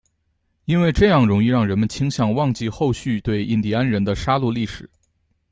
因为这样容易让人们倾向忘记后续对印第安人的杀戮历史。